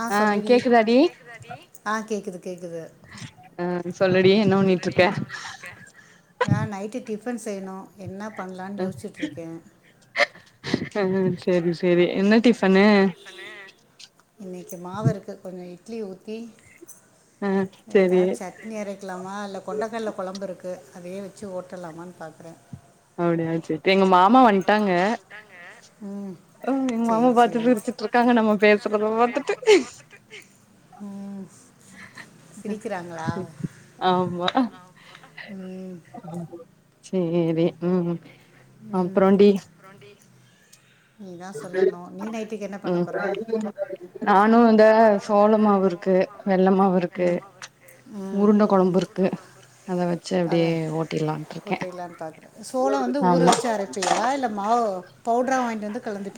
ஆஹ் சொல்லுடி ஆஹ் கேக்குது கேக்குது அஹ் சொல்லடி என்ன பண்ணிட்டு இருக்க வே நைட்டு டிஃபன் செய்யணு என்ன ஆஹ் இன்னைக்கு மாவு இருக்கு கொஞ்சோ இட் ஓகே ஓகே ஏதாது சட்னி அரைக்கலாமா இல்ல கொண்டக்கல்ல கொழம்பு இருக்கு அதையே வச்சி ஓட்டலமான்னு பாக்குற அப்டியா சேர் [inaudible] எங்க மாமா வன்டாங்க சேரி சேரி உம் ஆமா சேரி உம் உம் உம் நானு இந்த சோழமாவு இருக்கு வெள்ள மாவு இருக்கு உருண்ட கொழம்பு இருக்கு அத வச்சு அப்படியே ஓட்டிரலான்ட்டு இருக்கே ஊற வச்சு அரப்பியா இல்ல மாவு பவுட்ரா வாங்கிட்டு வந்து கலந்து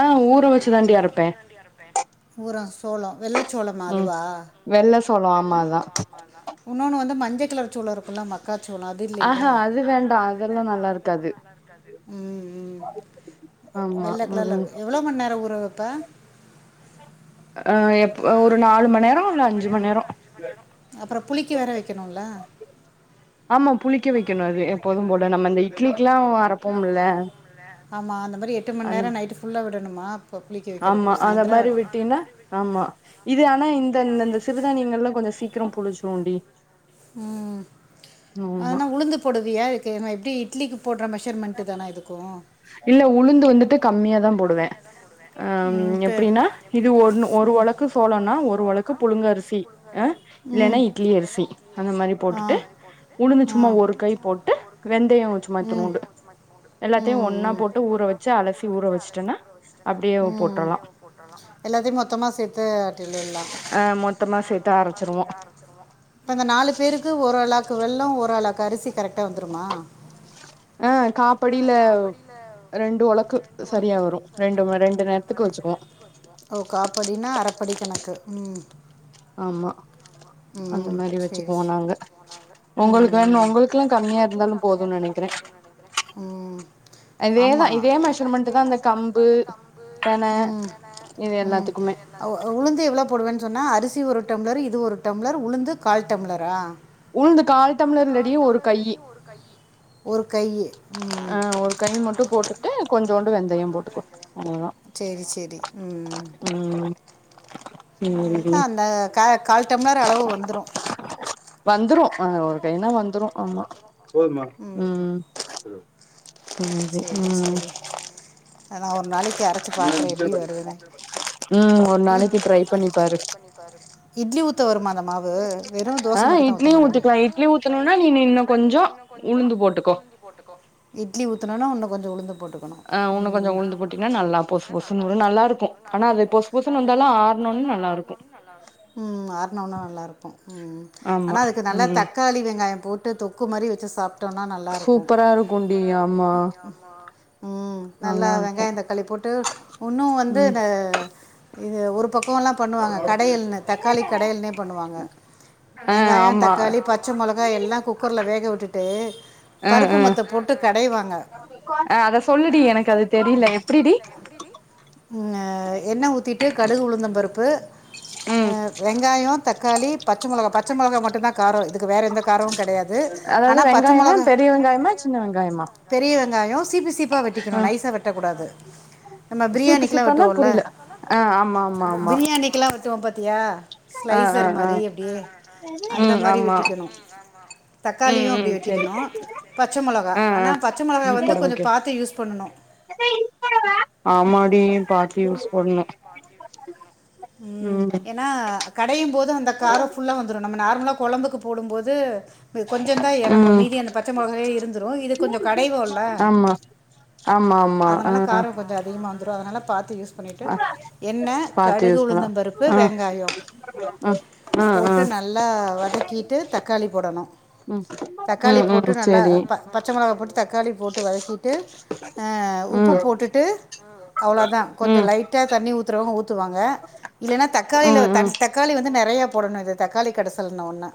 ஆஹ் ஊற வச்சு தாண்டி அரப்ப அரப்ப சோளோ வெள்ள சோளம் அதுவாஇன்னுன்னு வழ்து மஞ்ச கலர் சோளோ இருக்குல்ல மக்காச்சோளோ அது இல்லைல்ல அஹ்ஹா அது வேண்டா அது நல்ல இருக்காது உம் உம் வெள்ளக்கலர் இருக்கு எவ்ளோ மண் நேரோ ஊற ஆஹ் ஒரு நால் மண் நேரோ இல்ல அஞ்சு மண் நேரோ அப்றோ புளிக்க வேற வெக்கணும்ல ஆமா புளிக்க வெக்கணு அது எப்போது போல நம்ம இட்லிகெல்லா அரப்போம்ல எட்டு மண் நேரோ நைட் புல்லா விடணுமா ஆமா அந்த மாரி விட்டீனா ஆமா இது ஆனா இந்தந்த சிறுதானியங்கள் எல்லா கொஞ்சோ சீக்க சீக்ரோ புளிச்சுரோண்டி உம் அதனா உளுந்து போடுவியா எப்படி இட்லிக்கு போடுற மெஷர்மெண்டு தானா இதுக்கு உளுந்து வந்துட்டு கம்மியாதா போடுவ உம் எப்படின்னா இது ஒன்னு ஒரு ஒழக்கு சோளனா ஒரு ஒழக்கு புழுங்கரிசி அஹ் உம் இல்லன்னா இட்லி அரிசி ஆஹ் அது மாரி போட்டுட்டு ஆஹ் உளுந்து சும்மா ஒரு கை போட்டு சும்மா இத்தலோண்டு எல்லாத்தையு ஒன்னா போட்டு ஊற வச்சி அலசி ஊற வச்சுட்டனா அப்படி உம் எல்லாத்தையு மொத்தமா சேத்து ஆட்டில்லா ஆஹ் மொத்தமா சேத்து அரச்சிடுவோ நாங்க நாலு பேருக்கு ஒரு அளாக்கு வெள்ளோ ஒரு அளாக்கு அரிசி ஆஹ் காப்படியில ரெண்டு ஒளக்கு சரியா வரு ரெண்டு ரெண்டு நேரத்துக்கு வச்சுக்குவோ ஓ காப்படினா அரப்படி கணக்கு உம் ஆமா அந்த மாரி வச்சுக்குவோ நாங்க உம் உங்களுக்கு உங்களுக்கு கம்மியா இருந்தாலு போது நெனைக்கிற உம் ஆமா இதேதா இதே மெஷரமண்ட் தா இந்த கம்பு தென உம் உம் உளுந்து எவ்ளோ போடுவே சொன்னா அரிசி ஒரு டம்ளர் இது ஒரு டம்ளர் உளுந்து கால் டம்ளரா உளுந்து கால் டம்ளர் இல்லடி ஒரு கையு ஒரு கையு ஆஹ் ஒரு கை மட்டு போட்டுட்டு கொஞ்சோண்டு வெந்தயம் போட்டுக்கோ அவ்ளோதா உம் அதுதா அந்த கால் டம்ளர் அளவு வந்துரு வந்துரு ஆஹ் ஒரு கைனா வந்துரு ஆமா சேரி உம் ஆனா ஒரு நாளைக்கி அரைச்சு பாக்குற எப்படி வருதுன்னு உம் ஒரு நாளைக்கி ட்ரை பன்னி பாரு வருமா அந்த மாவு வெறு தோச மட்டு தா ஊத்த முடியு இ்ல்ல இட்லி ஊத்தனுனா நீ இன்னு கொஞ்சோ போட்டுக்கோ போட்டு இட்லி ஊத்தனனா ஒன்ன கொ்ச உளுந்து ஆஹ் ஒன்னும் கொஞ்சம் உளுந்து போட்டீங்கன்னா நல்லா பொசு புசு ஒரு நல்லா இருக்கும் ஆனா அது பொசு புூசு வந்தாலும் ஆ நல்லாம் ஆறனனா நல்லா இரு ஆனால் அதுக்கு நல்லா தக்காளி வெங்காயம் போட்டு தொக்கு மாதிரி வச்சு சாப்பிட சூப்பரா இருக்கும்ண்டி ஆமா செய் ஆமா நல்லா வெங்காய தக்காளி போட்டு இன்னும் வந்து இந்த இது ஒரு பக்கமலாம் பண்ணுவாங்க கடையல்னுு தக்காளி கடையல்னே பண்ணுவாங்க வெங்காயம் தக்காளி பச்சை மிளகா எல்லாம் குக்கர்ல வேக விட்டுட்டு பருப்பு மொத்த போட்டு கடை வாங்க அஹ் அத சொல்லுடி எனக்கு அது தெரியல எப்படிடி உஹம் என்ன ஊத்திட்டு கடுகு உளுந்தம்பருப்பு வெங்காயம் தக்காளி பச்சை மிளகா பச்சை மிளகா மட்டும் தான் காரம் இதுக்கு வேற எந்த காரவூம் அதாவது வெங்காயம்னா பெரிய வெங்காயமா சின்ன வெங்காயமா பெரிய வெங்காயம் சிப்பி சிப்பா வெட்டிக்கணும் நைஸா வெட்டக்கூடாது ஆஹ சீப்பு சீப்பன்னா புரியல ஆஹ் ஆமா ஆமா ஆமா ஆஹ் ஆஹ் ஆஹ் உம் ஆமா தக்காளியும் அப்படி வெட்டிக்கணும் பச்சை மிளகா ஆன பச்சை மிளகா வந்து கொஞ்சம் பார்த்து யூஸ் பண்ணணும் ஆமாடி பாத்து யூஸ் பண்ணணும் உம் ஏன்னா கடையும் போது அந்த காரம் ஃபுல்லா வந்துடும் நம்ம நார்மலாக குழம்புக்கு போடும்போது கொஞ்சம் தான் இறங்கும் மீதி அந்த பச்சை மிளகலே இருந்துரும் இது கொஞ்சம் கடைவோல அதனால காரம் கொஞ்சம் அதிகமா வந்து அதனால பாத்து யூஸ் பன்னீடு எண்ணெ அடுகு உளுந்த பருப்பு வெங்காயம் போட்டு நல்லா வதக்கிட்டு தக்காளி போடணும் தக்காளி போட்டு நல்லா ப பச்சை மிளகா போட்டு தக்காளி போட்டு வதக்கிட்டு உப்பு போட்டுட்டு அவ்வளோ தான் கொஞ்சம் லைட்டா தண்ணி ஊத்துற ஊத்துவாங்க இல்லன்னா தக்காளியில தக்காளி வந்து நிறைய போடணும் இது தக்காளி கடைசல்ன்ன ஒண்ணு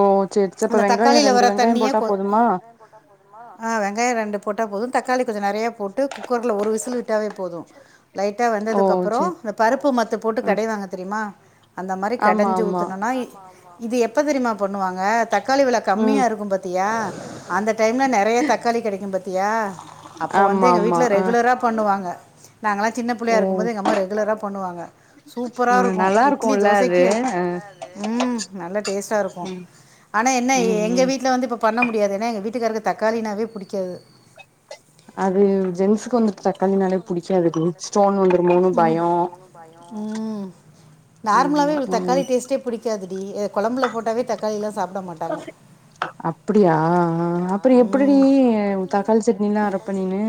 ஓ சரி சரி அப்ப வெங்காயம் ரெண்டு வெங்காயம் போட்டா போதுமா ஆஹ் வெங்காயம் ரெண்டு போட்டால் போதும் தக்காளி கொஞ்சம் நிறையா போட்டு குக்கரில் ஒரு விசில் விட்டாவே போதும் லைட்ட வந்ததுக்கப்புறம் பருப்பு மத்து போட்டு கடைவாங்க தெரியுமா அந்த மாதிரி கடைஞ்சு ஊதம்னா [unintelligible] இது எப்ப தெரியுமா பண்ணுவாங்க தக்காளி வில கம்மியா இருக்கும் பத்தியா அந்த டைம்ல நிறைய தக்காளி கிடைக்கும் பத்தி த்தியா அப்ப வந்து எங்க வீட்டுல ரெகுலரா பண்ணுவாங்க நாங்க எல்லாம் சின்ன பிள்ளையா இருக்கும்போது எங்க அம்மா ரெகுலரா ம்ம் சுப்ரா இருக்கு இட்லி தோசைக்கு ம்ம் நல்ல டெஸ்ட் இருக்கு ஆனா என்ன எங்க வீட்டுல வந்து இப்ப பண்ண முடியாது ஏன்னா எங்க வீட்டுக்கருக்கு தக்காளினாவே பிடிக்காது அது ஜென்ஸுக்கு வந்துட்டு தக்காளி நலெ தக்காளி நால பிடிக்காது ஸ்டோன் வந்தெருமொனெ பயம் நார்மலாவே இளுக்கு தக்காளி டேஸ்ட்டே புடிக்காதுடி குழம்புல போட்டாவே தக்காளி எல்லாம் சாப்பிட மாட்டாங்க அப்படியா அப்புறம் எப்படி தக்காளி சட்னி எல்லாம் அரப்பநினு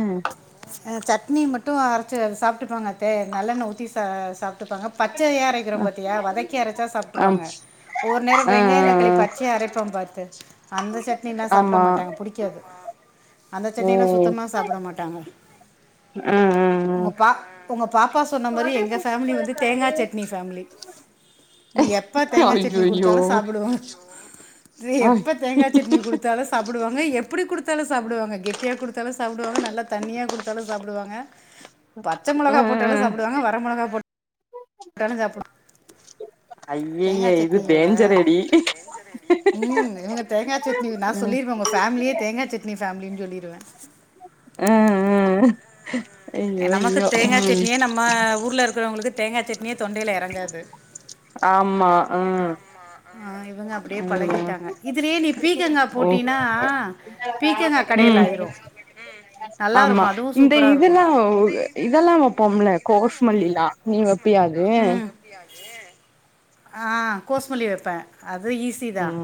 சட்னி மட்டும் அரைச்சு சாப்பிட்டுப்பாங்க நல்லண்ண ஊற்றி சா சப்ட்பாங்க பச்சைையறைக்கிறோம் பத்தியா வதக்கி அரைச்சா சாப்பிட்டுருவாங்க ஒவ்வொரு நேரம் வெங்காயம் தக்காளி பச்சையை அரைப்போம் பார்த்து அந்த சட்னில்லாம் சாப்பிட மாட்டாங்க பிடிக்காது அந்த செடனி எல்லாம் சுத்தமா சாப்பிட மாட்டாங்க உங்க பா உங்க பாப்பா சொன்ன மாதிரி எங்க ஃேமிலி வந்து தேங்காய் சட்னி ஃேமிலி நீ எப்பா தேங்காய் சட்னி குடுத்தாலும் சாப்பிடுவ எப்ப தேங்காய் சட்னி கொடுத்தாலும் சாப்பிடுவாங்க எப்ப எப்படி கொடுத்தாலும் சாப்பிடுவாங்க கெட்டிய கொடுத்தாலும் சாப்படுவாங்க நல்லா தண்ணியாக கொடுத்தாலும் சாப்டுவாங்க பச்ச மிளகா போட்டாலாம் சாப்படுவாங்க வர மிளகா போட்ட கூட்டானு சாப்பிடும் அயயே இது டேஞ்சர் எடி உம் இவங்க தேங்காய் சட்னி நான் சொல்லிருவா உங்க பேமிலியே தேங்காய் சட்னி ஃபேமிலின்னு சொல்லிிருவேன் நமக்கு தேங்காய் சட்னியே நம்ம ஊர்ல இருக்கிறவங்களுக்கு தேங்காய் சட்னியே தொண்டையில இறங்காது ஆம்மா ஆம்மா இவங்க அப்படியே பழகிட்டாங்க இதுலயே நீ பீக்கங்காய் போட்டனா பீக்கங்காய் கடையில் ஆயிரும் [inaudible] ஆமா இந்த இதெல்லாம் இதெல்லாம் வெப்பொம்பல கோஸ்மல்லிலா நீங்க அப்டியாது ஆஹ் கோஸ்மல்லி வைப்பேன் அது ஈஸிதான்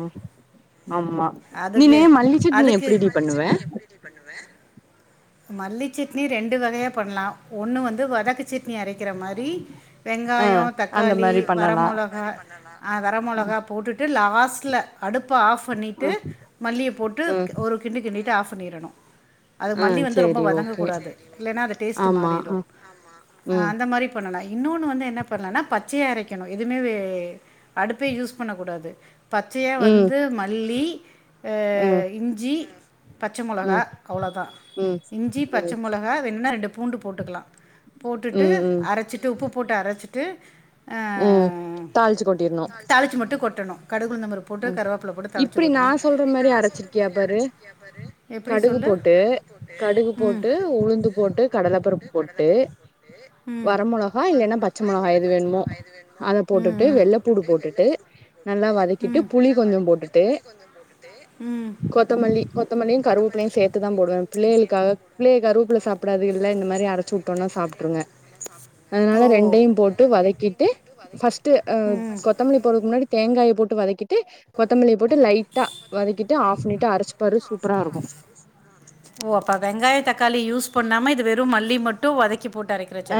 ஆமா நீனே மல்லி சட்னி எப்படி டி பண்ணுவ மல்லி சட்னி ரெண்டு வகையா பண்லா ஒண்ணு வந்து வதக்கு சட் னி அரைக்கிற மாரி வெங்காய தக்காளி வர மொளகா அ வர மொளகா போட்டுட்டு லவாஸ் லாஸ்ல அடுப்பை ஆஃப் பண்ணிட்டு மல்லிய போட்டு ஒரு கிண்டு கிண்டிட்டு ஆஃப் பண்ணிரணு ம் செரி வதங்கக்க கூடாது இல்லைன்னா அது டேஸ்ட் மாறிரு அ அந்த மாரி பண்ணா இன்னொன்னு வந்து என்ன பண்ணலனா பச்சையா அரைக்கணு எதுவுமே அடுப்பே யூஸ் பண்ணக்கூடாது பச்சையா வந்து மல்லி ஆ இஞ்சி பச்ச மொளகா அவ்வளோதா இஞ்சி பச்ச மொளகா வேணும்ன்னா ரெண்டு பூண்டு போட்டுக்கலா போட்டுட்டு அரைச்சிட்டு உப்பு போட்டு அரைச்சிட்டு அ தாளிச்சு மட்டு கொட்டணு கடகு உளுத்தம்பர்பு போட்டு கருவாப்பல போட்டு தழச்சு கொட்டணு எப்படி சொல்லு போட்டு கடுகு போட்டு உளுந்து போட்டு கடலைப்பருப்பு போட்டு வர மொளகா இல்லைன்னா பச் ச்ச மொளகா எது வேணுமோ அத போட்டுட்டு வெள்ளைப்பூடு போட்டுட்டு நல்லா வதக் கிட்டு புளி கொஞ்ச போட்டுட்டு கொத்தமல்லி கொத்தமல்லியு கருவேப்பல்லையு சேத்துதா போடுவ எப்மே சேத்துதா போடுவா புள்ளைகளுக்காக பிள்வைக கருவுப்புல சாப்டாதுல்ல இந்த மாரி அரைச்சு போட்டு சாப்பிடுக ரெண்டையு போட்டு வதக்கிட்டு பஸ்ட்டூ ஆ கொத்தமல்லி தலைக்கு முன்னாடி தேங்காய் போட்டு வதக்கிட்டு கொத்தமல்லி போட்டு லைட்டா வதக்கிட்டு ஆஃப் பண்ணிட்டு அரச்சு ஆஃப் பண்ணிடு [unintelligible] பண்ணாம இது வெறும் மல்லி மட்டு வதக் அ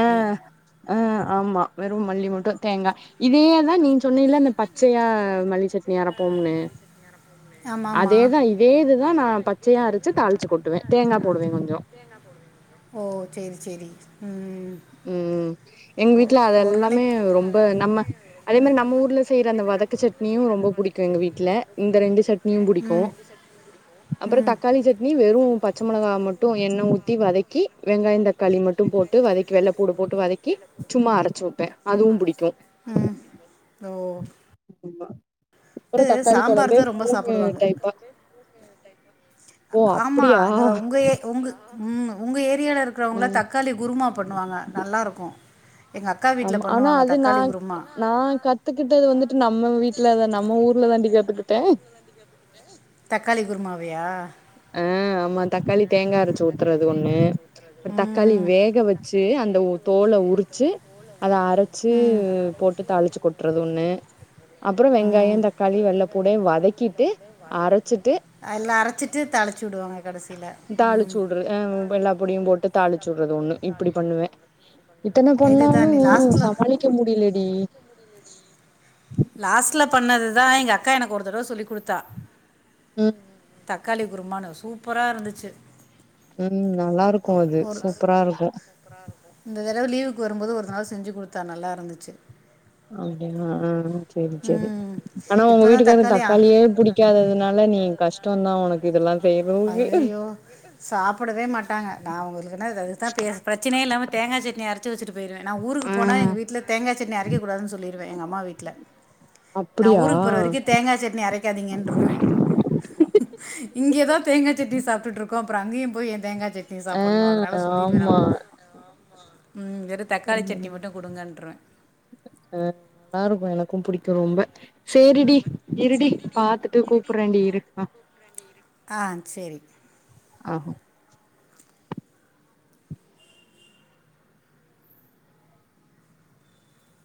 ஆ ஆமா வெறும் மல்லி மட்டு தேங்கா இதேதா நீ சொன்னேல அந்த பச்சையா மல்லி சட்னி அரப்போம்னு அதேதா இதேது ஏ நா பச்சையா அரச்சு தாள்ச்சு கொட்டுவே தேங்கா போடுவே கொஞ்சோ ஓ செரி செரி ம் ம் எங்க வீட்ல அத எல்லாமே ரொம்ப நம்ம அதே மாரி நம்ம ஊர்ல செய்யற அந்த வதக் க சட்னியு ரொம்ப புடிக்கு எங்க வீட்ல இந்த ரெண்டு சட் னியு புடிக்கு அப்பறோ தக்காளி சட்னி வெறு பச்ச மொளக மட்டு எண்ண ஊத்தி வதக்கி வெங்காயோ தக்காளி மட்டு போட்டு வதக் வெள்ளபூடு போட்டு வதக்கி சும்மா அரச்சு உட்ட அதுவு புடிக்கு ம் ஓ அப்புற தக்காளி கொழம்பே மூணு டைப்பா ஆமா ந உங்கே உங்க ம் உங்க ஏரியால இருக்கறவங்களே தக்காளி குருமா பண்ணுவாங்க நல்லாருக்கு ஆமா ஆனா அது நான் நா கத்துக்கிட்டது வந்துட்டு நம்ம வீட்டுலதா நம்ம ஊர்ல தாண்டி க த்துக்கிட்டே தக்காளி குருமாவையா ஆ ஆமா தக்காளி தேங்கா அரைச்சு ஊத்துறது ஒண்ணு தக்காளி வேக வச்சு சி அந்த தோலை உரிச்சு அத அரைச்சி போட்டு தாளிச்சு கொ ட்றது ஒன்னு அப்பற வெங்காய தக்காளி வெள்ளைப்பூட வதக்கிட்டு அரைச்சிட்டு தாளிச்சுவுடுற அ எல்லா பொடியு போட்டு தாளிச்சுவுடுறது ஒண்ணு இப்படி பண்ணு வே இத்தன பண்ணாலு சமாளிக்க முடியலடி லாஸ்ட்ல பண்ணதுதா எங்க அக்கா எனக்கு ஒரு தடவ சொல்லி் குடுத்தா ம் தக்காளி குருமானான்னு சூப்பரா இருந்துச்சு ம் நல்லா இருக்கு அது சூப்பரா இருக்கு எதாது லீவுக்கு வரும்போது ஒரு நாள் செஞ்சு குடுத்தா நல்லா இருந்துச்சு அப்டியா ம் ஆனா உங்க வீட்டுக்காரருக்கு தக்காளியே பிடிக்காததுனால நீ கஷ்டந்தா உனக்கு இதெல்லாம செய்யறதுக்கு சாப்டவே மாட்டாங்க நா உங்களுக்கு அதுக்குதா பே பிரச்சனையே இல்லாம தேங்கா சட்னி அரைச்சு வச்சுட்டு போய்ருவே நா ஊருக்கு போனா எங்க வீட்ல தேங்கா சட்னி அரைக்ககூடாதுன்னு சொல்லிருவே எங்க அம்மா வீட்ல நா ஊருக்கு போற வரைக்கு தேங்கா சட்னி அரைக்காதீங்கன்றுவே இங்கே தா தோங்கா சட்னி சாப்டுட்ருக்கோ அப்றோ அங்கயு போய் ஏ தேங்கா ச சட்னி சாப்பணு அதனால சொல்லிருவே அவ ஆ நல்லாருக்கு எனக்கு பிடிக் கு ரொம்ப சேரிடி இருடி பாத்துட்டு கூப்புறேண்டி இரு அ ஆ சேரி ஆஹா